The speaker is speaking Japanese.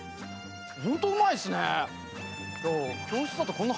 ホントうまいっすね！